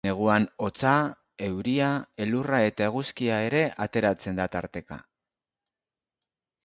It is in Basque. Neguan, hotza, euria, elurra eta eguzkia ere ateratzen da tarteka.